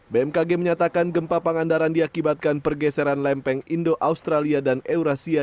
bmkg menyatakan gempa pangandaran diakibatkan pergeseran lempeng indo australia dan eurasia